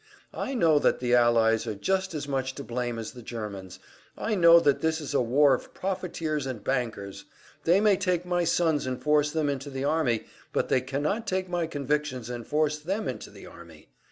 I know that the Allies are just as much to blame as the Germans, I know that this is a war of profiteers and bankers; they may take my sons and force them into the army, but they cannot take my convictions and force them into their army.